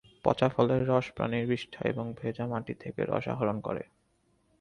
পচা ফলের রস, প্রানীর বিষ্ঠা এবং ভেজা মাটি থেকে রস আহরণ করে।